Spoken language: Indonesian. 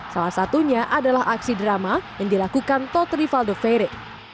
salah satunya adalah aksi drama yang dilakukan tod rivaldo ferry